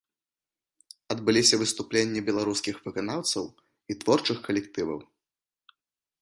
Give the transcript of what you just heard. Адбыліся выступленні беларускіх выканаўцаў і творчых калектываў.